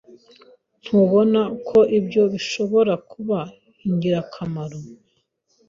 Ntubona ko ibyo bishobora kuba ingirakamaro?